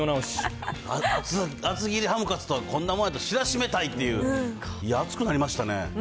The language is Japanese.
厚切りハムカツとはこんなもんやと知らしめたいって、熱くなりましたね。